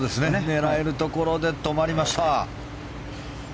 狙えるところで止まりました。